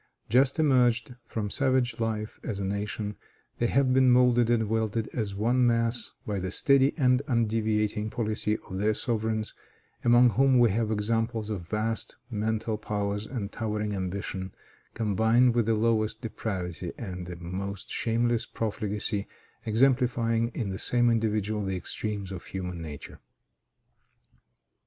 Just emerged from savage life as a nation, they have been moulded and welded as one mass by the steady and undeviating policy of their sovereigns, among whom we have examples of vast mental powers and towering ambition, combined with the lowest depravity and the most shameless profligacy, exemplifying in the same individual the extremes of human nature.